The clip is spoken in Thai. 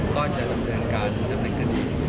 ก็จะกำจัดการให้ทำให้ทัฒนีท